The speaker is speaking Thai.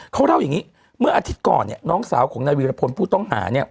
เขาเล่าอย่างนี้เมื่ออาทิตย์ก่อนเนี่ยน้องสาวของนายวีรพลผู้ต้องหาเนี่ย